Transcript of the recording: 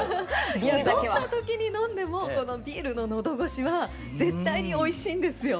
どんな時に飲んでもこのビールの喉越しは絶対においしいんですよ。